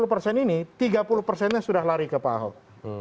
lima puluh persen ini tiga puluh persennya sudah lari ke pak ahok